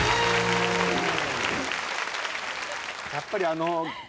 やっぱりあのう。